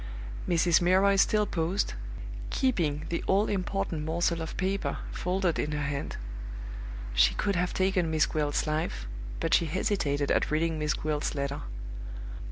Mrs. Milroy still paused, keeping the all important morsel of paper folded in her hand. She could have taken Miss Gwilt's life, but she hesitated at reading Miss Gwilt's letter.